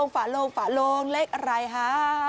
ฝาโลงเล็กอะไรฮะ